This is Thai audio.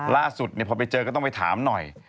ล่าสุดพอไปเจอก็ต้องไปถามหน่อย